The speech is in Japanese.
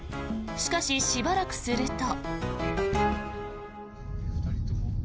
しかし、しばらくすると。